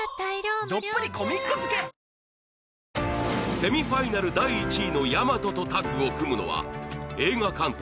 セミファイナル第１位の大和とタッグを組むのは映画監督